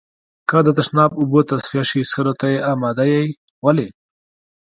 که د تشناب اوبه تصفيه شي، څښلو ته يې آماده يئ؟ ولې؟